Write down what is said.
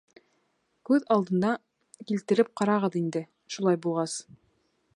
Күҙ алдына килтереп ҡарағыҙ инде, шулай булғас.